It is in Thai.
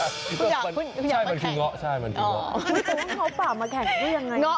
ใช่คุณว่าข้าวป่ามาแขังด้วยยังไงนะ